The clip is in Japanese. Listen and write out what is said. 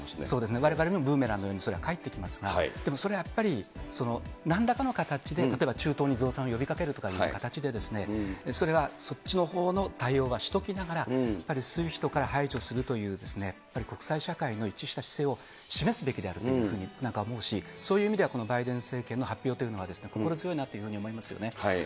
われわれにもブーメランのようにこれが返ってきますから、でもそれはやっぱり、なんらかの形で、例えば中東に増産を呼びかけるというような形で、それは、そっちのほうの対応はしときながら、やっぱりＳＷＩＦＴから排除するという国際社会の一致した姿勢を示すべきであるというふうに、なんかもし、そういう意味では、このバイデン政権の発表というのは、心強いなというふうに思いますよね。